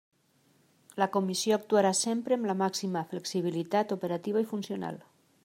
La Comissió actuarà sempre amb la màxima flexibilitat operativa i funcional.